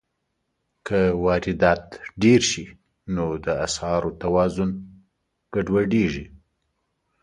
که واردات ډېر شي، نو د اسعارو توازن ګډوډېږي.